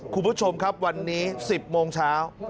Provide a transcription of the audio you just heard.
คุณผู้ชมครับวันนี้๑๐โมงเช้า